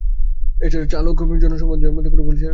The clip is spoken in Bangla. এছাড়া চালক সমবেত জনতার উপরেও গুলি চালাতে থাকেন।